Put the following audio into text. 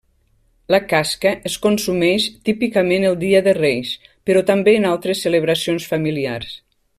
La casca es consumeix típicament el Dia de Reis, però també en altres celebracions familiars.